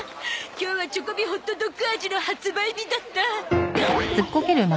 今日はチョコビホットドッグ味の発売日だった。